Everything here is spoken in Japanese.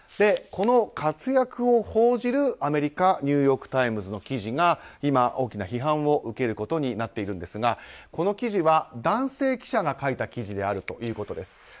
この活躍を報じる、アメリカニューヨーク・タイムズの記事が今、大きな批判を受けることになっているんですがこの記事は男性記者が書いた記事であるということです。